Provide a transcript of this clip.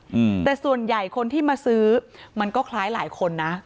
อืมแต่ส่วนใหญ่คนที่มาซื้อมันก็คล้ายหลายคนนะ